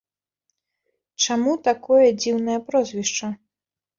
Чаму такое дзіўнае прозвішча?